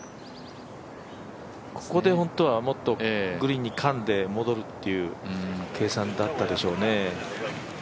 ここで本当はもっとグリーンにかんで戻るという計算だったでしょうね。